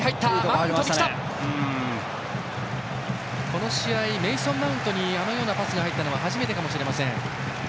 この試合メイソン・マウントに今のようなパスが入ったのは初めてかもしれません。